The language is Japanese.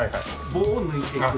棒を抜いていく。